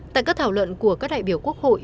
tại các thảo luận của các đại biểu quốc hội